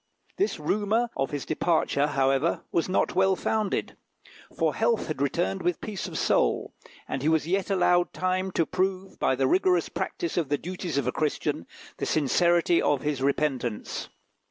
This rumour of his departure, however, was not well founded, for health had returned with peace of soul, and he was yet allowed time to prove, by the rigorous practice of the duties of a Christian, the sincerity of his repentance.